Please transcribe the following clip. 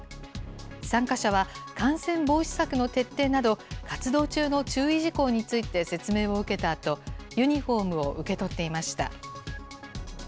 参加者は、感染防止策の徹底など、活動中の注意事項について説明を受けたあと、ユニホームを受け取っていました。